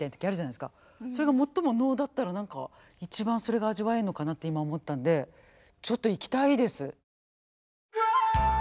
それが最も能だったら何か一番それが味わえるのかなって今思ったんでちょっと行きたいです。